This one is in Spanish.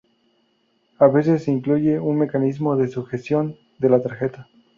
A veces se incluye un mecanismo de sujeción de la tarjeta.